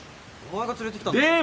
お前が連れてきたんだろ。